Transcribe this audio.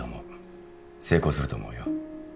成功すると思うよ。